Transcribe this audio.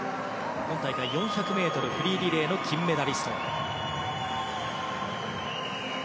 今大会４００ｍフリーリレーの金メダリスト。